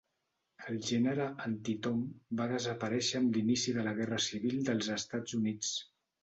El gènere anti-Tom va desaparèixer amb l'inici de la Guerra Civil dels Estats Units.